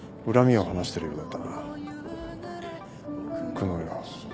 久能よ